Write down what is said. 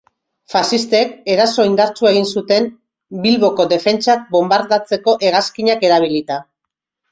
Faxistek eraso indartsua egin zuten, Bilboko defentsak bonbardatzeko hegazkinak erabilita.